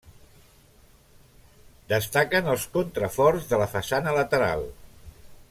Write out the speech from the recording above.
Destaquen els contraforts de la façana lateral.